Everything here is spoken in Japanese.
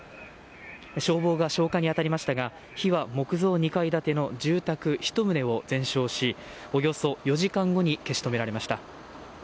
消防が消火に当たりましたが、火は木造２階建ての住宅１棟を全焼し、およそ４時間後に消し止められました。